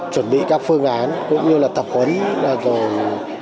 chuẩn bị các phương án cũng như là tập huấn rồi